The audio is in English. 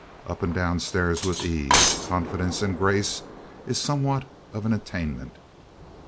Up and down stairs with ease, confidence, and grace, is somewhat of an attainment.